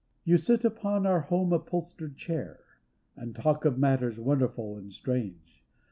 You sit upon our home upholstered chair And talk of matters wonderful and strange.